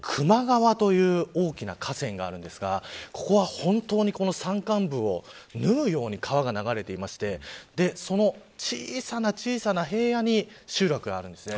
球磨川という大きな河川があるんですがここは本当に山間部をぬうように川が流れていてその小さな小さな平野に集落があるんですね。